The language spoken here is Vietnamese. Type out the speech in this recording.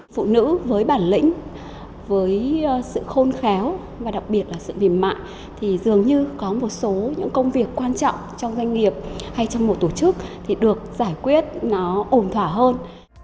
phụ nữ với bản lĩnh với sự khôn khéo và đặc biệt là sự mềm mại thì dường như có một số những công việc quan trọng trong doanh nghiệp hay trong một tổ chức thì được giải quyết nó ổn thỏa hơn